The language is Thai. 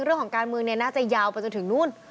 เรื่องของการเมืองน่าจะยาวไปจนถึงนู่น